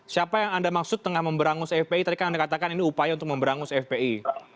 siapa yang anda maksud tengah memberangus fpi tadi kan anda katakan ini upaya untuk memberangus fpi